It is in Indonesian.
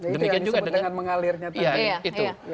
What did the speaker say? demikian juga dengan mengalirnya tadi